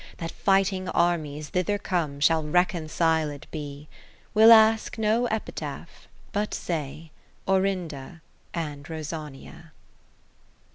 That fighting armies, thither come. Shall reconciled be. We'll ask no Epitaph, but say Orinda and RosANiA.